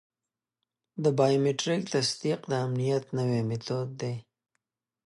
د بایومټریک تصدیق د امنیت نوی میتود دی.